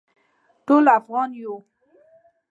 ټول افغانان یو